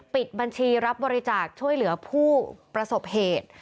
ปิดบัญชีรับบริจาคช่วยเหลือผู้ประสบเหตุ